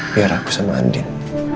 biar aku sama andin